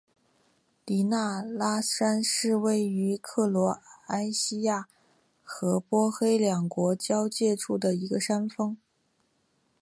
迪纳拉山是位于克罗埃西亚和波黑两国交界处的一座山峰。